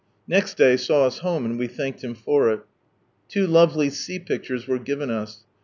Next day saw us home, and we thanked Him for iL Two lovely sea pictures were given us.